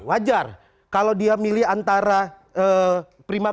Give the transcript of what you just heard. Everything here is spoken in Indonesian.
wajar kalau dia milih antara prima